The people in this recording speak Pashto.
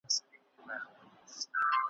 «الله… الله… الله به مې وژغوري.»